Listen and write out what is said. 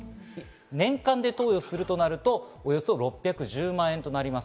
年間で投与すると、およそ６１０万円となります。